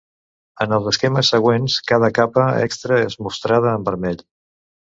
En els esquemes següents, cada capa extra és mostrada en vermell.